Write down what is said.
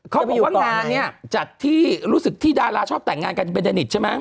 แสดงประทานนี้รู้สึกที่ดาราชอบแต่งงานกับเบนดิคใช่ไหม